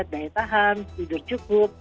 daya tahan tidur cukup